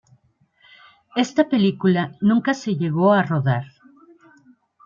Esta película nunca se llegó a rodar.